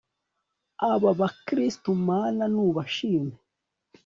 aba bakristu mana n'ubashime